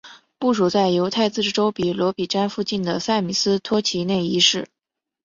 部署在犹太自治州比罗比詹附近的塞米斯托齐内伊市。